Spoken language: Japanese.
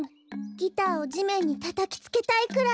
ギターをじめんにたたきつけたいくらい。